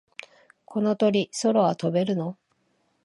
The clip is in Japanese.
この鳥、空は飛べるの？